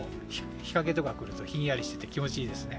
日陰とか来るとひんやりしてて気持ちいいですね。